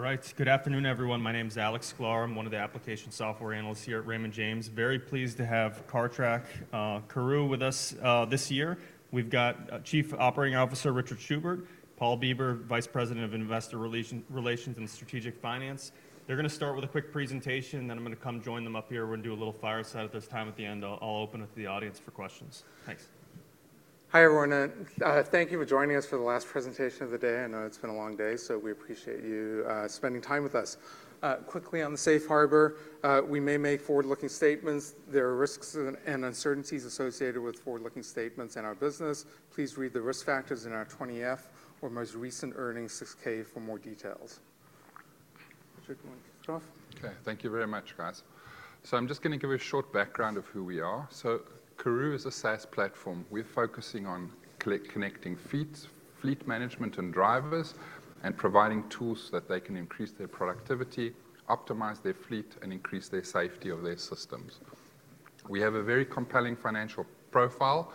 All right, good afternoon, everyone. My name is Alex Sklar. I'm one of the application software analysts here at Raymond James. Very pleased to have Cartrack with us this year. We've got Chief Operating Officer Richard Schubert, Paul Bieber, Vice President of Investor Relations and Strategic Finance. They're going to start with a quick presentation, then I'm going to come join them up here. We're going to do a little fireside at this time. At the end, I'll open it to the audience for questions. Thanks. Hi, everyone. Thank you for joining us for the last presentation of the day. I know it's been a long day, so we appreciate you spending time with us. Quickly, on the safe harbor: we may make forward-looking statements. There are risks and uncertainties associated with forward-looking statements in our business. Please read the risk factors in our 20-F or most recent earnings, 6-K, for more details. Richard, you want to kick off? Thank you very much, guys. I'm just going to give a short background of who we are. Karooooo is a SaaS platform. We're focusing on connecting fleet management and drivers and providing tools that they can increase their productivity, optimize their fleet, and increase the safety of their systems. We have a very compelling financial profile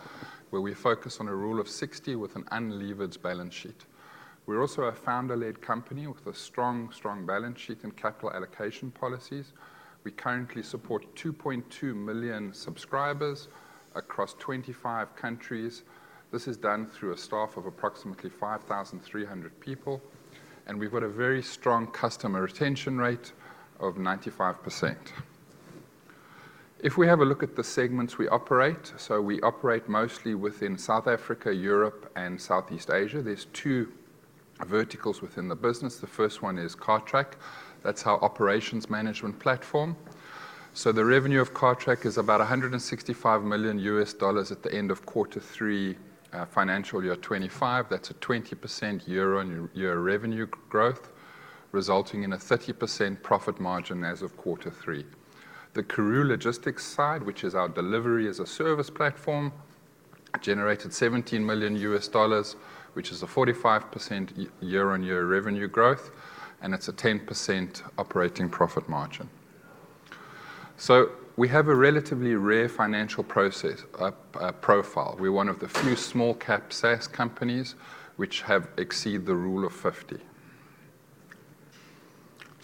where we focus on a Rule of 60 with an unlevered balance sheet. We're also a founder-led company with a strong balance sheet and capital allocation policies. We currently support 2.2 million subscribers across 25 countries. This is done through a staff of approximately 5,300 people. We've got a very strong customer retention rate of 95%. If we have a look at the segments we operate, we operate mostly within South Africa, Europe, and Southeast Asia. There are two verticals within the business. The first one is Cartrack. That's our operations management platform. The revenue of Cartrack is about $165 million at the end of Q3 financial year 2025. That's a 20% year-on-year revenue growth, resulting in a 30% profit margin as of Q3. The Karooooo Logistics side, which is our delivery-as-a-service platform, generated $17 million, which is a 45% year-on-year revenue growth. It has a 10% operating profit margin. We have a relatively rare financial profile. We're one of the few small-cap SaaS companies that have exceeded the Rule of 50.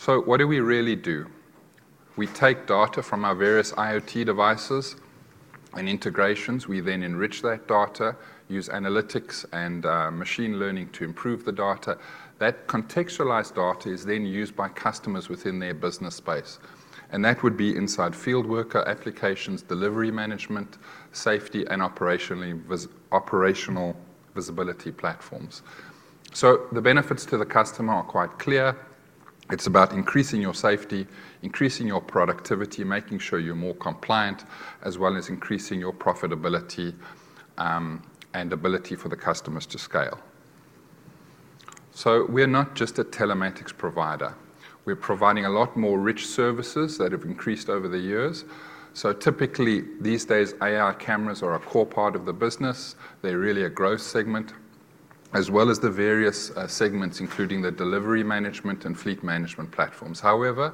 What do we really do? We take data from our various IoT devices and integrations. We then enrich that data, use analytics and machine learning to improve the data. That contextualized data is then used by customers within their business space. That would be inside fieldworker applications, delivery management, safety, and operational visibility platforms. The benefits to the customer are quite clear. It's about increasing your safety, increasing your productivity, making sure you're more compliant, as well as increasing your profitability and ability for the customers to scale. We're not just a telematics provider. We're providing a lot more rich services that have increased over the years. Typically, these days, AI-powered cameras are a core part of the business. They're really a growth segment, as well as the various segments, including the delivery management and fleet management platforms. However,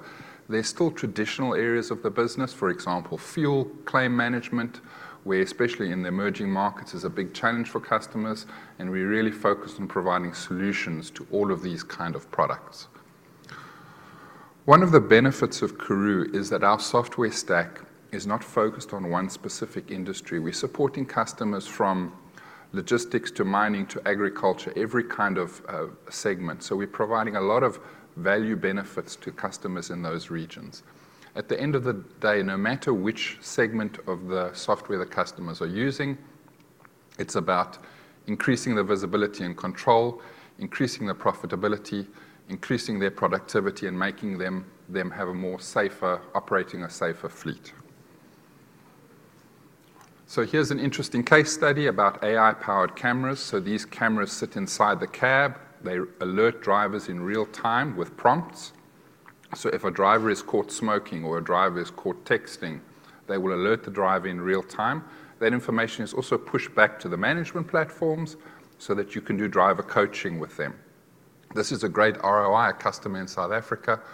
there are still traditional areas of the business, for example, fuel theft management, where especially in the emerging markets is a big challenge for customers. We really focus on providing solutions to all of these kinds of products. One of the benefits of Karooooo is that our software stack is not focused on one specific industry. We're supporting customers from logistics to mining to agriculture, every kind of segment. We are providing a lot of value benefits to customers in those regions. At the end of the day, no matter which segment of the software the customers are using, it's about increasing visibility and control, increasing profitability, increasing productivity, and making them have a safer operating or safer fleet. Here's an interesting case study about AI-powered cameras. These cameras sit inside the cab. They alert drivers in real time with prompts. If a driver is caught smoking or a driver is caught texting, they will alert the driver in real time. That information is also pushed back to the management platforms so that you can do driver coaching with them. This is a great ROI. A customer in South Africa saw,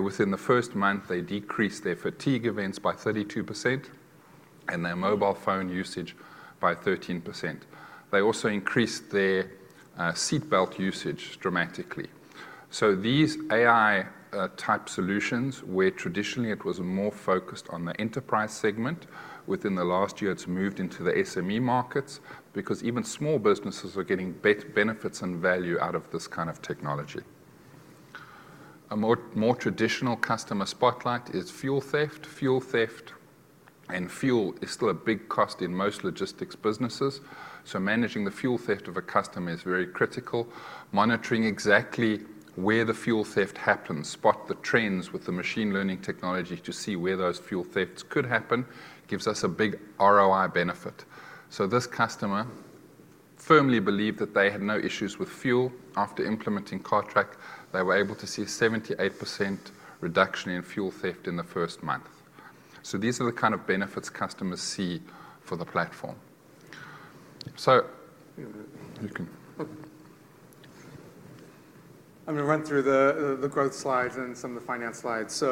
within the first month, a decrease in fatigue events by 32% and mobile phone usage by 13%. They also increased their seatbelt usage dramatically. These AI-type solutions, where traditionally it was more focused on the enterprise segment, within the last year, it has moved into the SME markets because even small businesses are getting better benefits and value out of this kind of technology. A more traditional customer spotlight is fuel theft. Fuel theft and fuel is still a big cost in most logistics businesses. Managing the fuel theft of a customer is very critical. Monitoring exactly where the fuel theft happens, spot the trends with the machine learning technology to see where those fuel thefts could happen, gives us a big ROI benefit. This customer firmly believed that they had no issues with fuel. After implementing Cartrack, they were able to see a 78% reduction in fuel theft in the first month. These are the kind of benefits customers see for the platform. I'm going to run through the growth slides and some of the finance slides. We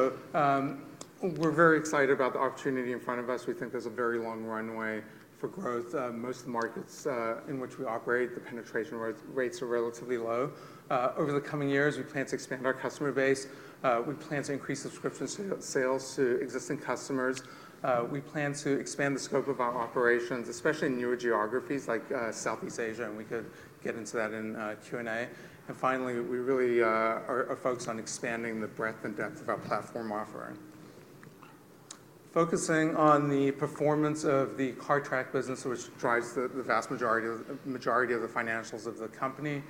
are very excited about the opportunity in front of us. We think there is a very long runway for growth. Most of the markets in which we operate, the penetration rates are relatively low. Over the coming years, we plan to expand our customer base. We plan to increase subscription sales to existing customers. We plan to expand the scope of our operations, especially in newer geographies like Southeast Asia. We could get into that in Q&A. Finally, we really are focused on expanding the breadth and depth of our platform offering. Focusing on the performance of the Cartrack business, which drives the vast majority of the company's financials.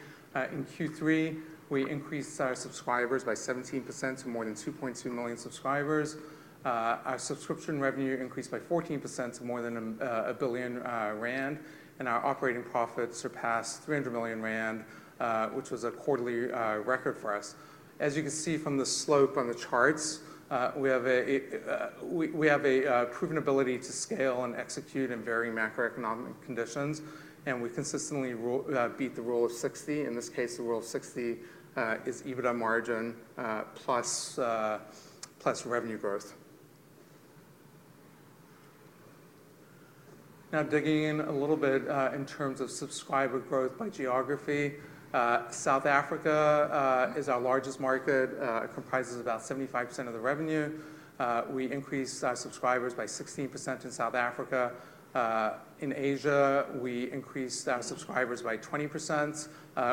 In Q3, we increased our subscribers by 17% to more than 2.2 million subscribers. Our subscription revenue increased by 14% to more than 1 billion rand. Our operating profit surpassed 300 million rand, which was a quarterly record for us. As you can see from the slope on the charts, we have a proven ability to scale and execute in varying macroeconomic conditions. We consistently beat the Rule of 60. In this case, the Rule of 60 is EBITDA margin plus revenue growth. Now, digging in a little bit in terms of subscriber growth by geography. South Africa is our largest market. It comprises about 75% of the revenue. We increased our subscribers by 16% in South Africa. In Asia, we increased our subscribers by 20%.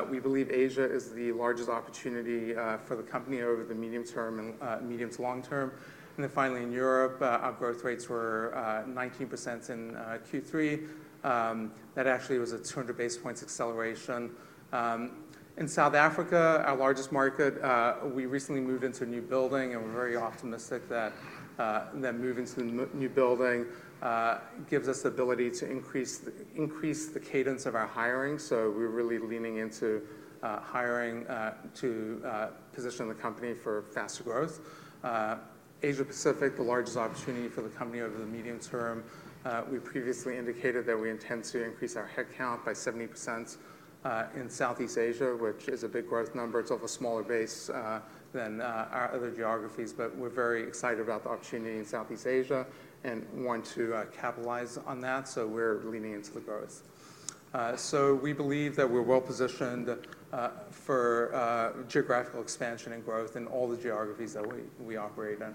We believe Asia is the largest opportunity for the company over the medium to long term. Finally, in Europe, our growth rates were 19% in Q3. That actually was a 200 basis points acceleration. In South Africa, our largest market, we recently moved into a new building. We are very optimistic that moving to the new building gives us the ability to increase the cadence of our hiring. We are really leaning into hiring to position the company for faster growth. Asia Pacific is the largest opportunity for the company over the medium term. We previously indicated that we intend to increase our headcount by 70% in Southeast Asia, which is a big growth number. It is off a smaller base than our other geographies. We are very excited about the opportunity in Southeast Asia and want to capitalize on that. We are leaning into the growth. We believe that we are well positioned for geographical expansion and growth in all the geographies that we operate in.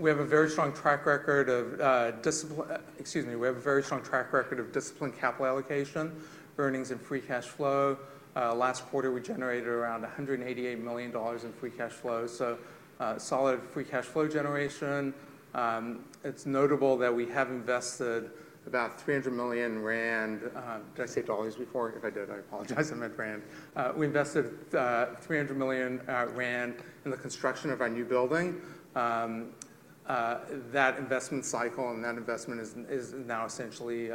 We have a very strong track record of discipline. Excuse me. We have a very strong track record of disciplined capital allocation, earnings, and free cash flow. Last quarter, we generated around $188 million in free cash flow. Solid free cash flow generation. It's notable that we have invested about 300 million rand. Did I say dollars before? If I did, I apologize. I meant rand. We invested 300 million rand in the construction of our new building. That investment cycle and that investment is now essentially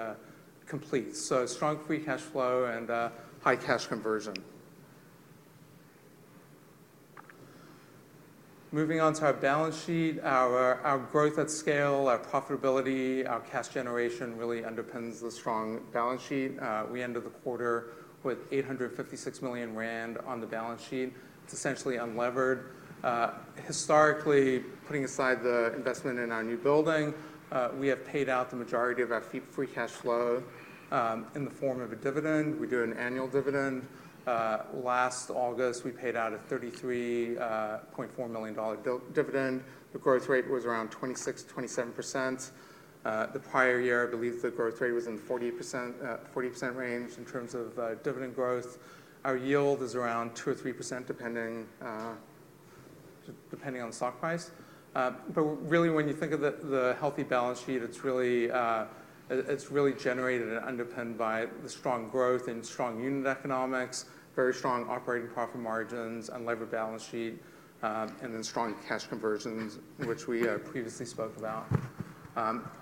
complete. Strong free cash flow and high cash conversion. Moving on to our balance sheet, our growth at scale, our profitability, our cash generation really underpins the strong balance sheet. We ended the quarter with 856 million rand on the balance sheet. It's essentially unleveraged. Historically, putting aside the investment in our new building, we have paid out the majority of our free cash flow in the form of a dividend. We do an annual dividend. Last August, we paid out a $33.4 million dividend. The growth rate was around 26%-27%. The prior year, I believe the growth rate was in the 40% range in terms of dividend growth. Our yield is around 2%-3%, depending on the stock price. Really, when you think of the healthy balance sheet, it is really generated and underpinned by the strong growth and strong unit economics, very strong operating profit margins, unleveraged balance sheet, and then strong cash conversions, which we previously spoke about.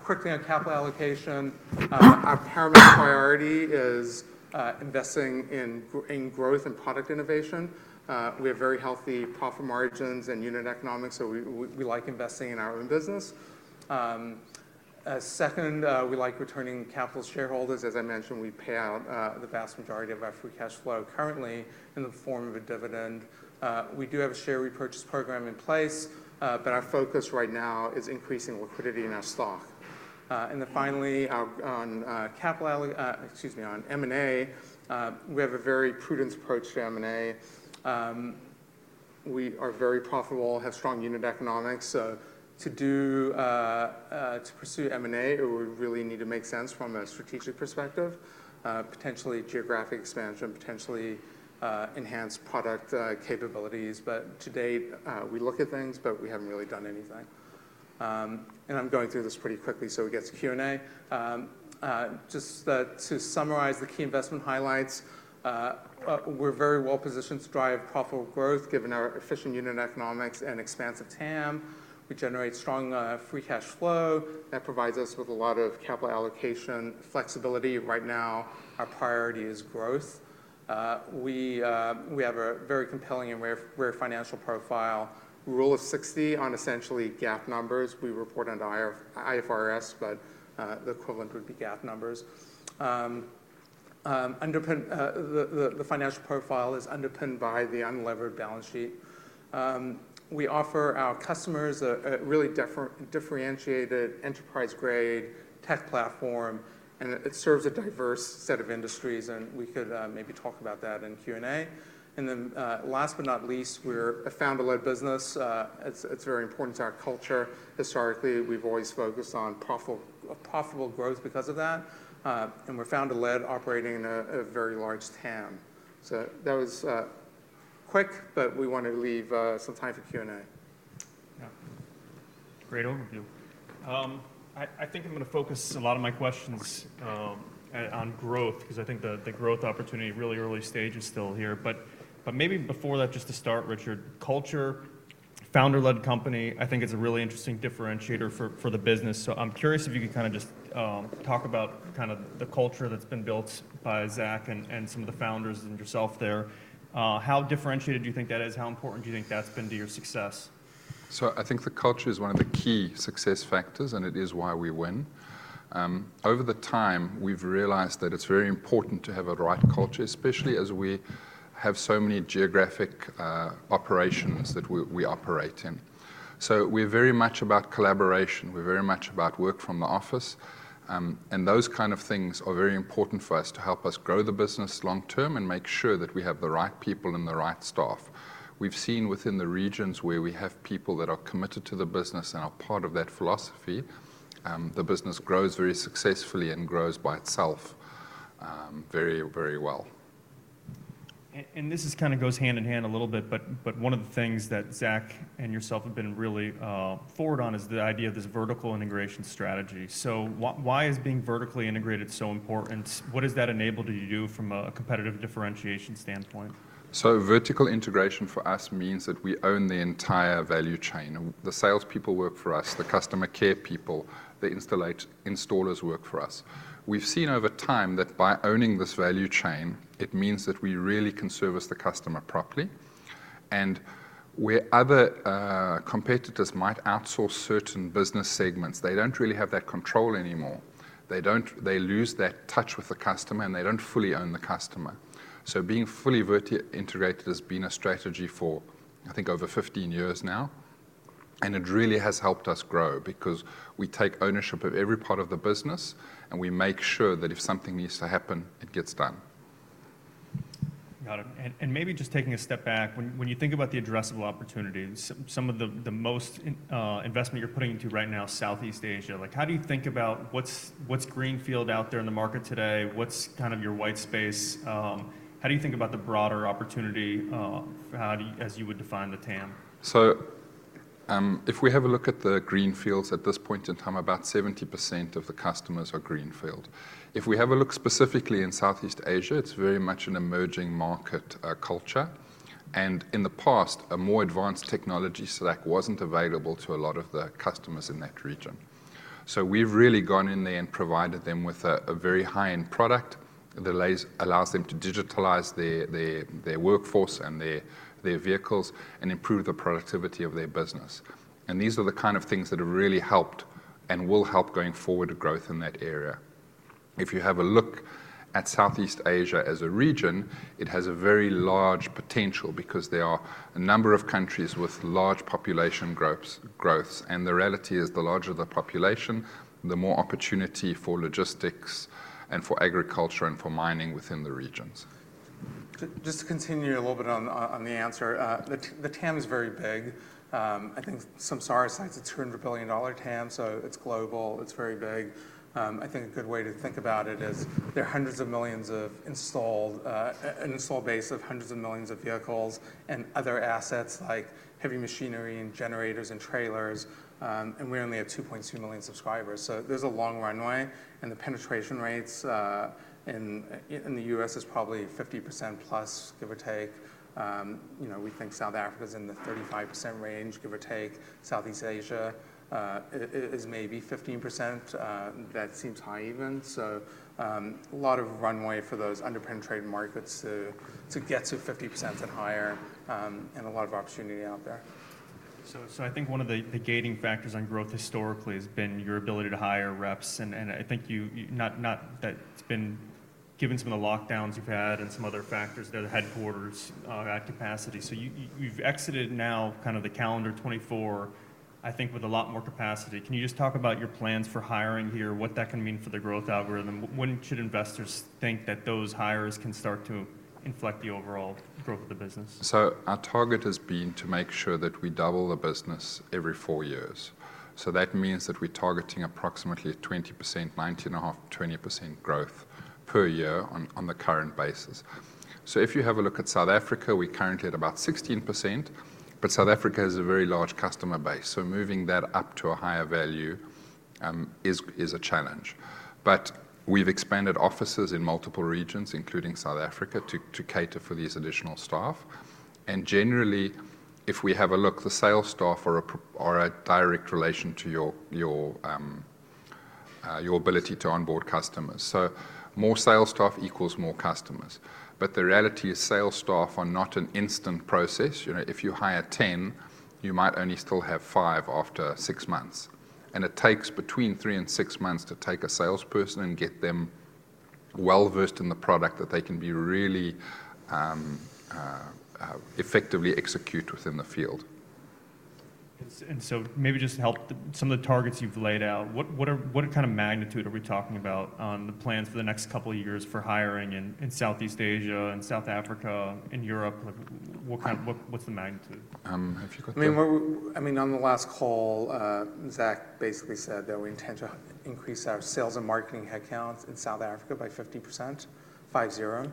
Quickly on capital allocation, our paramount priority is investing in growth and product innovation. We have very healthy profit margins and unit economics. We like investing in our own business. Second, we like returning capital to shareholders. As I mentioned, we pay out the vast majority of our free cash flow currently in the form of a dividend. We do have a share repurchase program in place. Our focus right now is increasing liquidity in our stock. Finally, on M&A, we have a very prudent approach to M&A. We are very profitable, have strong unit economics. To pursue M&A, it would really need to make sense from a strategic perspective, potentially geographic expansion, potentially enhanced product capabilities. To date, we look at things, but we have not really done anything. I am going through this pretty quickly so we get to Q&A. Just to summarize the key investment highlights, we are very well positioned to drive profitable growth given our efficient unit economics and expansive TAM. We generate strong free cash flow. That provides us with a lot of capital allocation flexibility. Right now, our priority is growth. We have a very compelling and rare financial profile. Rule of 60 on essentially GAAP numbers. We report under IFRS, but the equivalent would be GAAP numbers. The financial profile is underpinned by the unleveraged balance sheet. We offer our customers a really differentiated enterprise-grade tech platform. It serves a diverse set of industries. We could maybe talk about that in Q&A. Last but not least, we're a founder-led business. It's very important to our culture. Historically, we've always focused on profitable growth because of that. We're founder-led, operating in a very large TAM. That was quick, but we want to leave some time for Q&A. Great overview. I think I'm going to focus a lot of my questions on growth because I think the growth opportunity really early stage is still here. Maybe before that, just to start, Richard, culture, founder-led company, I think it's a really interesting differentiator for the business. I'm curious if you could kind of just talk about kind of the culture that's been built by Zak and some of the founders and yourself there. How differentiated do you think that is? How important do you think that's been to your success? I think the culture is one of the key success factors, and it is why we win. Over the time, we've realized that it's very important to have a right culture, especially as we have so many geographic operations that we operate in. We're very much about collaboration. We're very much about work from the office. Those kinds of things are very important for us to help us grow the business long term and make sure that we have the right people and the right staff. We've seen within the regions where we have people that are committed to the business and are part of that philosophy, the business grows very successfully and grows by itself very, very well. This kind of goes hand in hand a little bit. One of the things that Zak and yourself have been really forward on is the idea of this vertical integration strategy. Why is being vertically integrated so important? What does that enable to you from a competitive differentiation standpoint? Vertical integration for us means that we own the entire value chain. The salespeople work for us, the customer care people, the installers work for us. We've seen over time that by owning this value chain, it means that we really can service the customer properly. Where other competitors might outsource certain business segments, they do not really have that control anymore. They lose that touch with the customer, and they do not fully own the customer. Being fully vertically integrated has been a strategy for, I think, over 15 years now. It really has helped us grow because we take ownership of every part of the business, and we make sure that if something needs to happen, it gets done. Got it. Maybe just taking a step back, when you think about the addressable opportunities, some of the most investment you're putting into right now is Southeast Asia. How do you think about what's greenfield out there in the market today? What's kind of your white space? How do you think about the broader opportunity as you would define the TAM? If we have a look at the greenfields at this point in time, about 70% of the customers are greenfield. If we have a look specifically in Southeast Asia, it's very much an emerging market culture. In the past, a more advanced technology stack wasn't available to a lot of the customers in that region. We have really gone in there and provided them with a very high-end product that allows them to digitalize their workforce and their vehicles and improve the productivity of their business. These are the kind of things that have really helped and will help going forward growth in that area. If you have a look at Southeast Asia as a region, it has a very large potential because there are a number of countries with large population growths. The reality is the larger the population, the more opportunity for logistics and for agriculture and for mining within the regions. Just to continue a little bit on the answer, the TAM is very big. I think some sources cite it's $200 billion TAM. It is global. It is very big. I think a good way to think about it is there are hundreds of millions of installed, an installed base of hundreds of millions of vehicles and other assets like heavy machinery and generators and trailers. We only have 2.2 million subscribers. There is a long runway. The penetration rates in the U.S. is probably 50% plus, give or take. We think South Africa is in the 35% range, give or take. Southeast Asia is maybe 15%. That seems high even. A lot of runway for those underpenetrated markets to get to 50% and higher. A lot of opportunity out there. I think one of the gating factors on growth historically has been your ability to hire reps. I think not that it's been given some of the lockdowns you've had and some other factors. There are headquarters at capacity. You've exited now kind of the calendar 2024, I think, with a lot more capacity. Can you just talk about your plans for hiring here, what that can mean for the growth algorithm? When should investors think that those hires can start to inflect the overall growth of the business? Our target has been to make sure that we double the business every four years. That means that we're targeting approximately 20%, 19.5%, 20% growth per year on the current basis. If you have a look at South Africa, we're currently at about 16%. South Africa has a very large customer base. Moving that up to a higher value is a challenge. We have expanded offices in multiple regions, including South Africa, to cater for these additional staff. Generally, if we have a look, the sales staff are a direct relation to your ability to onboard customers. More sales staff equals more customers. The reality is sales staff are not an instant process. If you hire 10, you might only still have 5 after 6 months. It takes between three and six months to take a salesperson and get them well versed in the product that they can really effectively execute within the field. Maybe just to help some of the targets you've laid out, what kind of magnitude are we talking about on the plans for the next couple of years for hiring in Southeast Asia and South Africa and Europe? What's the magnitude? I mean, on the last call, Zak basically said that we intend to increase our sales and marketing headcounts in South Africa by 50%, 5-0,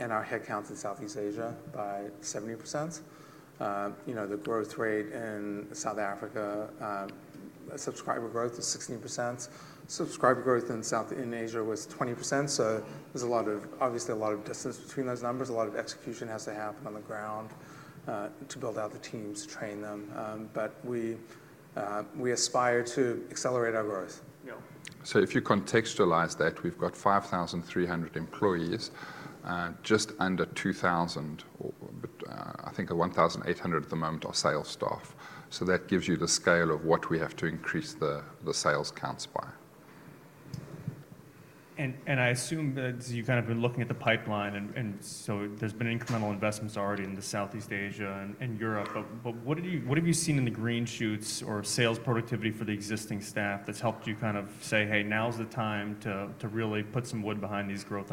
and our headcounts in Southeast Asia by 70%. The growth rate in South Africa, subscriber growth is 16%. Subscriber growth in Southeast Asia was 20%. There is obviously a lot of distance between those numbers. A lot of execution has to happen on the ground to build out the teams, train them. We aspire to accelerate our growth. If you contextualize that, we have 5,300 employees, just under 2,000, I think 1,800 at the moment are sales staff. That gives you the scale of what we have to increase the sales counts by. I assume that you've kind of been looking at the pipeline. There have been incremental investments already in Southeast Asia and Europe. What have you seen in the green shoots or sales productivity for the existing staff that's helped you kind of say, hey, now's the time to really put some wood behind this growth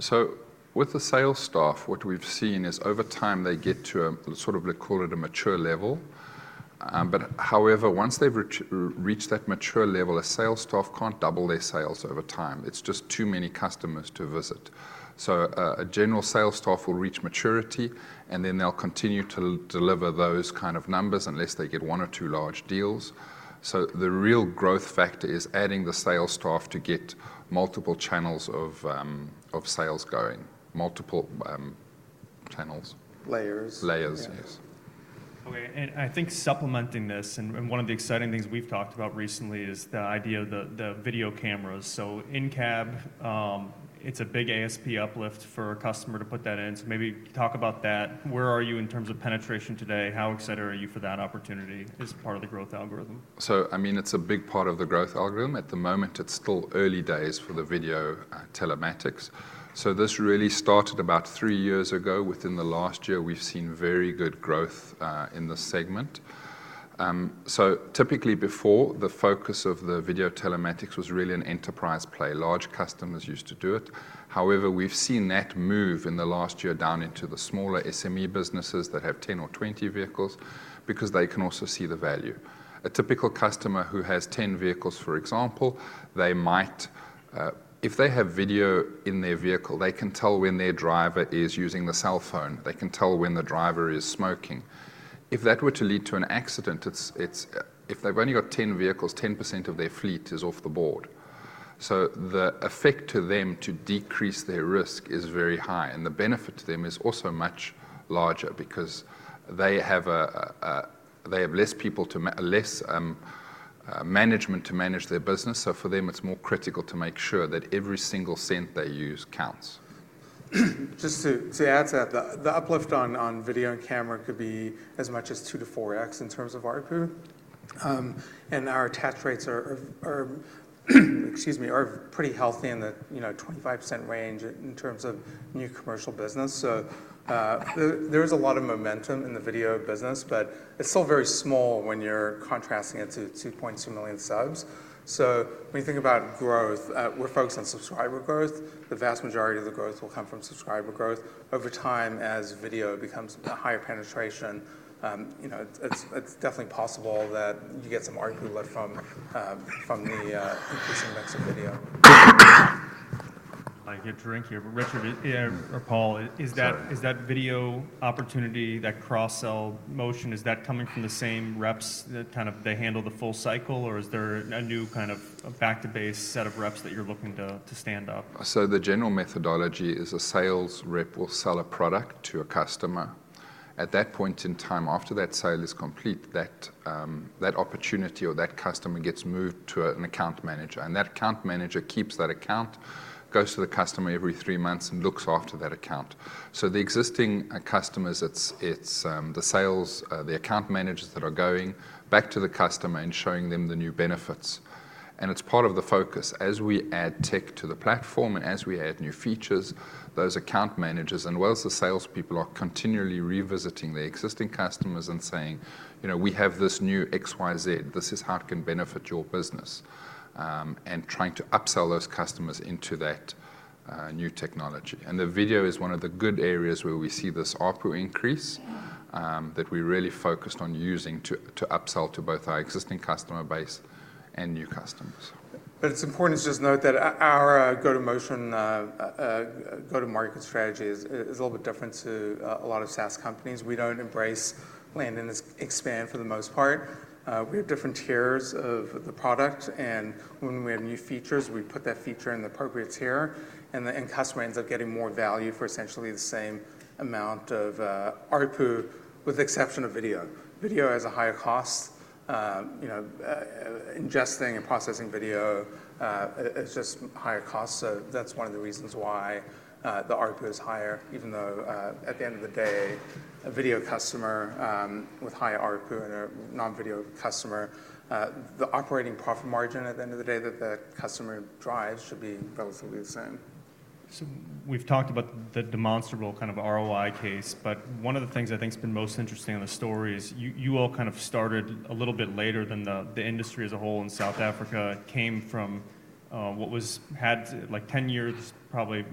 opportunity? With the sales staff, what we've seen is over time they get to sort of, let's call it a mature level. However, once they've reached that mature level, a sales staff can't double their sales over time. It's just too many customers to visit. A general sales staff will reach maturity, and then they'll continue to deliver those kind of numbers unless they get one or two large deals. The real growth factor is adding the sales staff to get multiple channels of sales going, multiple channels. Okay. I think supplementing this, and one of the exciting things we have talked about recently is the idea of the video cameras. In cab, it is a big ARPU uplift for a customer to put that in. Maybe talk about that. Where are you in terms of penetration today? How excited are you for that opportunity as part of the growth algorithm? I mean, it's a big part of the growth algorithm. At the moment, it's still early days for the video telematics. This really started about three years ago. Within the last year, we've seen very good growth in the segment. Typically before, the focus of the video telematics was really an enterprise play. Large customers used to do it. However, we've seen that move in the last year down into the smaller SME businesses that have 10 or 20 vehicles because they can also see the value. A typical customer who has 10 vehicles, for example, if they have video in their vehicle, they can tell when their driver is using the cell phone. They can tell when the driver is smoking. If that were to lead to an accident, if they've only got 10 vehicles, 10% of their fleet is off the board. The effect to them to decrease their risk is very high. The benefit to them is also much larger because they have less management to manage their business. For them, it's more critical to make sure that every single cent they use counts. Just to add to that, the uplift on video and camera could be as much as 2-4x in terms of A. Our attach rates are, excuse me, pretty healthy in the 25% range in terms of new commercial business. There is a lot of momentum in the video business, but it is still very small when you contrast it to 2.2 million subs. When you think about growth, we are focused on subscriber growth. The vast majority of the growth will come from subscriber growth. Over time, as video becomes a higher penetration, it is definitely possible that you get some the uplift from the increasing mix of video. Richard or Paul, is that video opportunity, that cross-sell motion, is that coming from the same reps that kind of handle the full cycle, or is there a new kind of back-to-base set of reps that you're looking to stand up? The general methodology is a sales rep will sell a product to a customer. At that point in time, after that sale is complete, that opportunity or that customer gets moved to an account manager. That account manager keeps that account, goes to the customer every three months, and looks after that account. The existing customers, it's the sales, the account managers that are going back to the customer and showing them the new benefits. It's part of the focus. As we add tech to the platform and as we add new features, those account managers and as well the salespeople are continually revisiting their existing customers and saying, we have this new XYZ. This is how it can benefit your business, and trying to upsell those customers into that new technology. The video is one of the good areas where we see this ARPU increase that we really focused on using to upsell to both our existing customer base and new customers. It is important to just note that our go-to-market strategy is a little bit different to a lot of SaaS companies. We do not embrace land and expand for the most part. We have different tiers of the product. When we have new features, we put that feature in the appropriate tier. The end customer ends up getting more value for essentially the same amount of ARPU, with the exception of video. Video has a higher cost. Ingesting and processing video is just higher cost. That is one of the reasons why the ARPU is higher, even though at the end of the day, a video customer with high ARPU and a non-video customer, the operating profit margin at the end of the day that the customer drives should be relatively the same. We have talked about the demonstrable kind of ROI case. One of the things I think has been most interesting in the story is you all kind of started a little bit later than the industry as a whole in South Africa, came from what had like 10 years probably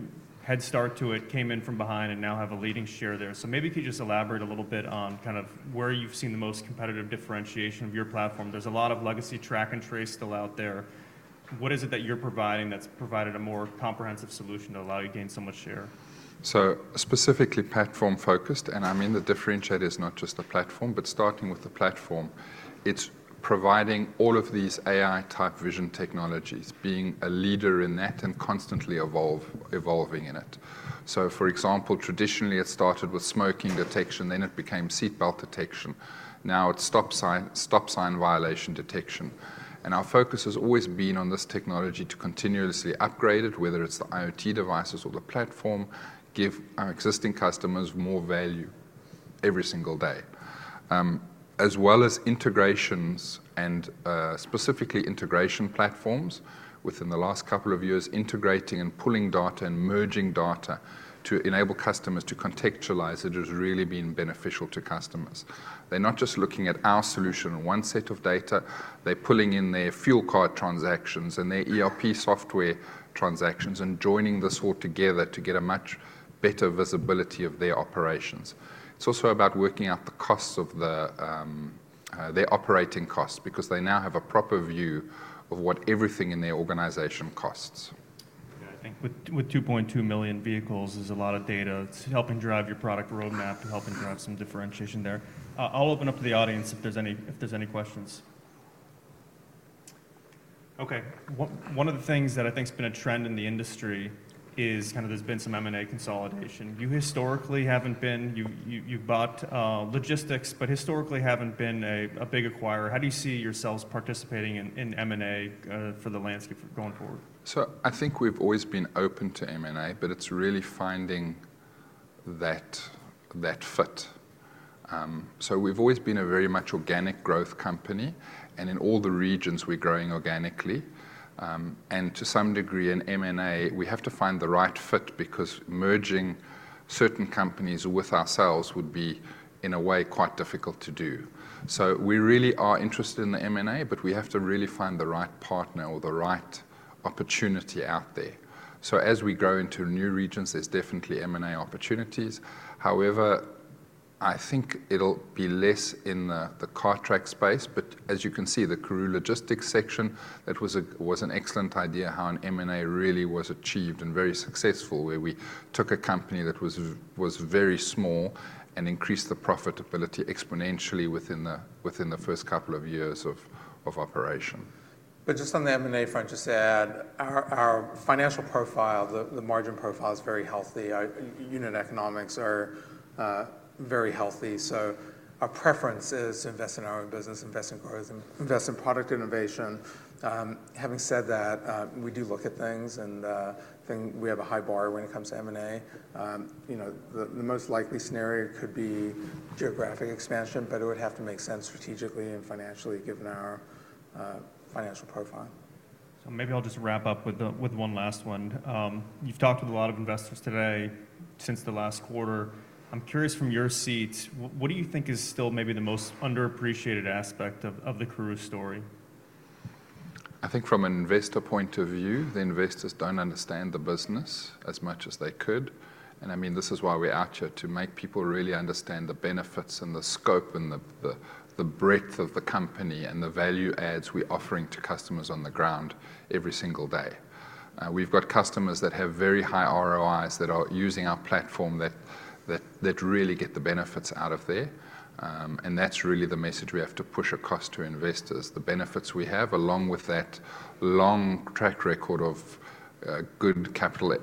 head start to it, came in from behind, and now have a leading share there. Maybe if you could just elaborate a little bit on kind of where you've seen the most competitive differentiation of your platform. There's a lot of legacy track and trace still out there. What is it that you're providing that's provided a more comprehensive solution to allow you to gain so much share? Specifically platform-focused, and I mean the differentiator is not just the platform, but starting with the platform, it's providing all of these AI-type vision technologies, being a leader in that and constantly evolving in it. For example, traditionally, it started with smoking detection. Then it became seatbelt detection. Now it's stop sign violation detection. Our focus has always been on this technology to continuously upgrade it, whether it's the IoT devices or the platform, give our existing customers more value every single day, as well as integrations and specifically integration platforms within the last couple of years, integrating and pulling data and merging data to enable customers to contextualize it has really been beneficial to customers. They're not just looking at our solution and one set of data. They're pulling in their fuel card transactions and their ERP software transactions and joining this all together to get a much better visibility of their operations. It's also about working out the costs of their operating costs because they now have a proper view of what everything in their organization costs. I think with 2.2 million vehicles, there's a lot of data. It's helping drive your product roadmap, helping drive some differentiation there. I'll open up to the audience if there's any questions. Okay. One of the things that I think has been a trend in the industry is kind of there's been some M&A consolidation. You historically haven't been, you've bought logistics, but historically haven't been a big acquirer. How do you see yourselves participating in M&A for the landscape going forward? I think we've always been open to M&A, but it's really finding that fit. We've always been a very much organic growth company. In all the regions, we're growing organically. To some degree, in M&A, we have to find the right fit because merging certain companies with ourselves would be, in a way, quite difficult to do. We really are interested in the M&A, but we have to really find the right partner or the right opportunity out there. As we grow into new regions, there's definitely M&A opportunities. However, I think it'll be less in the Cartrack space. As you can see, the Karooooo Logistics section, it was an excellent idea how an M&A really was achieved and very successful, where we took a company that was very small and increased the profitability exponentially within the first couple of years of operation. Just on the M&A front, just to add, our financial profile, the margin profile is very healthy. Unit economics are very healthy. Our preference is to invest in our own business, invest in growth, invest in product innovation. Having said that, we do look at things. We have a high bar when it comes to M&A. The most likely scenario could be geographic expansion, but it would have to make sense strategically and financially given our financial profile. Maybe I'll just wrap up with one last one. You've talked with a lot of investors today since the last quarter. I'm curious from your seat, what do you think is still maybe the most underappreciated aspect of the Karooooo story? I think from an investor point of view, the investors do not understand the business as much as they could. I mean, this is why we are out here to make people really understand the benefits and the scope and the breadth of the company and the value adds we are offering to customers on the ground every single day. We have got customers that have very high ROIs that are using our platform that really get the benefits out of there. That is really the message we have to push across to investors, the benefits we have along with that long track record of good capital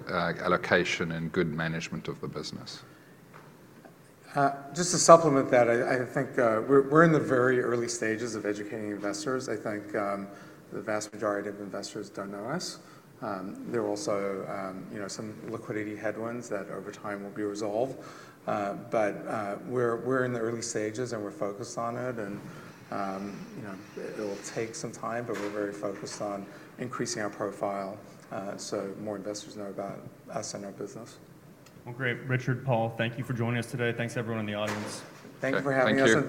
allocation and good management of the business. Just to supplement that, I think we're in the very early stages of educating investors. I think the vast majority of investors don't know us. There are also some liquidity headwinds that over time will be resolved. We're in the early stages, and we're focused on it. It will take some time, but we're very focused on increasing our profile so more investors know about us and our business. Great. Richard, Paul, thank you for joining us today. Thanks, everyone in the audience. Thanks for having us.